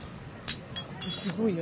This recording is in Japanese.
すごいね。